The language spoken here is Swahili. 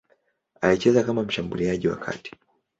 Alicheza kama mshambuliaji wa kati.